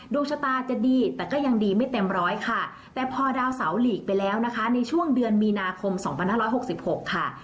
ดวงชะตาจะดีแต่ก็ยังดีไม่เต็มร้อยค่ะแต่พอดาวเสาหลีกไปแล้วนะคะในช่วงเดือนมีนาคม๒๕๖๖ค่ะ